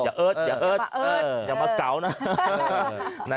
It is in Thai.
อย่าเอิดอย่าพักเต๋านะ